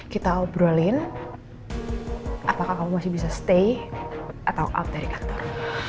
kita obrolin apakah kamu masih bisa tamat atau bekerja dari kantor